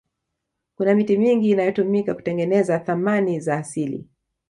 kuna miti mingi inayotumika kutengeneza thamani za asili